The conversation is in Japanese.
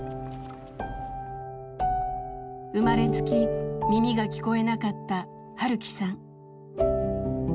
生まれつき耳が聞こえなかった晴樹さん。